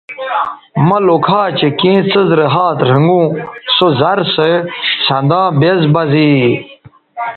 مہ لوکھا چہء کیں څیز رے ھات رھنگوں سو زر سو سنداں بیز بہ زے